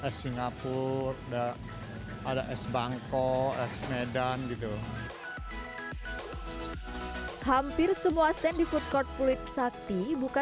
s singapura ada s bangkok s medan gitu hampir semua stand di food court pulitsakti buka